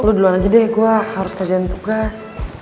lo duluan aja deh gua harus kerjaan tugas